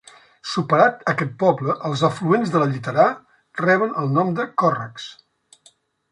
Superat aquest poble, els afluents de la Lliterà reben el nom de còrrecs.